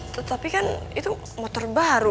tetapi kan itu motor baru